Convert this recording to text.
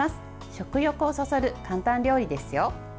食欲をそそる簡単料理ですよ。